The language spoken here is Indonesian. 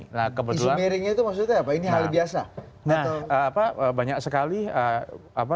isu miring itu maksudnya apa ini hal biasa